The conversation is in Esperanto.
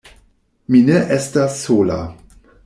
Mi ne estas sola.